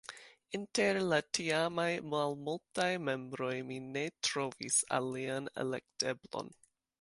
Inter la tiamaj malmultaj membroj mi ne trovis alian elekteblon.